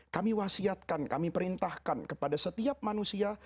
kami wasiatkan kami perintahkan kepada setiap manusia